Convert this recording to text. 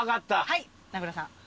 はい名倉さん。